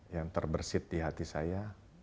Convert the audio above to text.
yang terbersih di hati saya